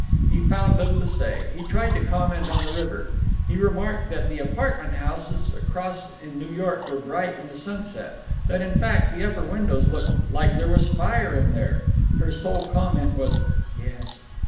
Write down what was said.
He found little to say. He tried to comment on the river. He remarked that the apartment houses across in New York were bright in the sunset; that, in fact, the upper windows looked "like there was a fire in there." Her sole comment was "Yes."